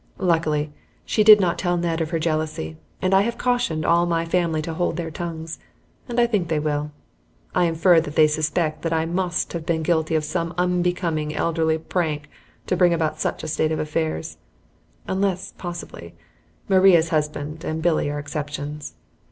Luckily, she did not tell Ned of her jealousy, and I have cautioned all in my family to hold their tongues, and I think they will. I infer that they suspect that I must have been guilty of some unbecoming elderly prank to bring about such a state of affairs, unless, possibly, Maria's husband and Billy are exceptions.